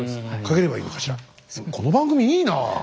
この番組いいなあ。